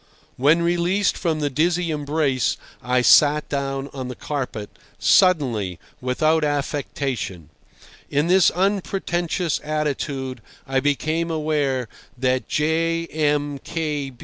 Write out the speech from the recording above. When released from the dizzy embrace, I sat down on the carpet—suddenly, without affectation. In this unpretentious attitude I became aware that J. M.